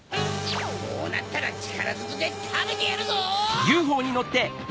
こうなったらちからずくでたべてやるぞ！